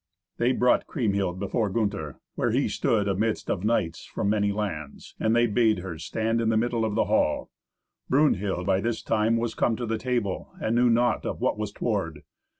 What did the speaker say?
They brought Kriemhild before Gunther, where he stood amidst of knights from many lands. And they bade her stand in the middle of the hall. Brunhild, by this time, was come to the table, and knew naught of what was toward.